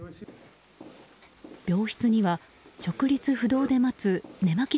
病室には、直立不動で待つ寝間着